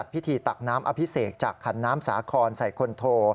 ตักน้ำอภิเษกจากขันน้ำสาครใส่คนโท